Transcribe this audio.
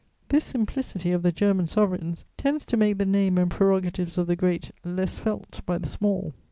This simplicity of the German sovereigns tends to make the name and prerogatives of the great less felt by the small.